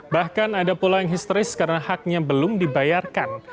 bahkan ada pula yang histeris karena haknya belum dibayarkan